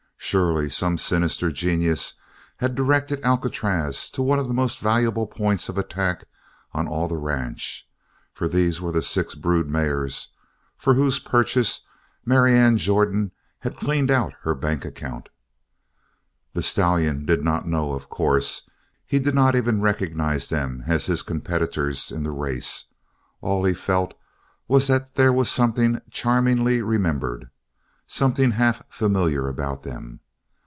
Surely some sinister genius had directed Alcatraz to the one most valuable point of attack on all the ranch, for these were the six brood mares for whose purchase Marianne Jordan had cleaned out her bank account. The stallion did not know, of course. He did not even recognize them as his competitors in the race. All he felt was that there was something charmingly remembered, something half familiar about them.